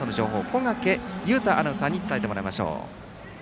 小掛雄太アナウンサーに伝えてもらいましょう。